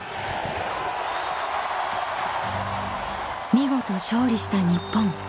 ［見事勝利した日本］